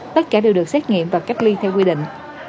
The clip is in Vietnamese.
tất cả đều được xét nghiệm và cách ly theo quy định